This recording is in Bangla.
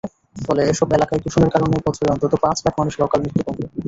ফলে এসব এলাকায় দূষণের কারণে বছরে অন্তত পাঁচ লাখ মানুষের অকালমৃত্যু কমবে।